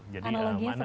analoginya seperti itu